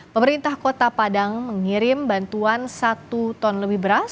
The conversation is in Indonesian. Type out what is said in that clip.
pemerintah kota padang mengirim bantuan satu ton lebih beras